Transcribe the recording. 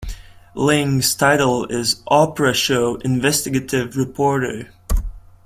Ling's title is Oprah Show Investigative Reporter.